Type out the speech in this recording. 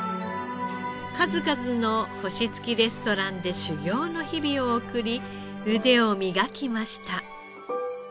数々の星付きレストランで修業の日々を送り腕を磨きました。